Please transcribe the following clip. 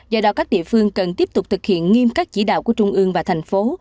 do đó các địa phương cần tiếp tục thực hiện nghiêm các chỉ đạo của trung ương và thành phố